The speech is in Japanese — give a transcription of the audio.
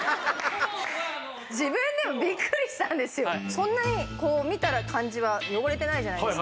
そんなにこう見た感じは汚れてないじゃないですか。